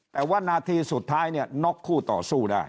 แต่ว่านาทีสุดท้ายเนี่ยน็อกคู่ต่อสู้ได้